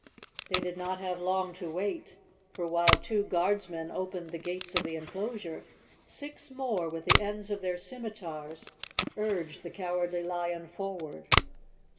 They did not have long to wait, for while two Guardsmen opened the gates of the enclosure, six more with the ends of their scimitars urged the Cowardly Lion for¬ ward.